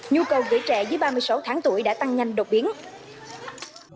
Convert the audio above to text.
nhu cầu dễ trẻ dưới ba mươi sáu tháng tuổi đã tăng nhanh đột biến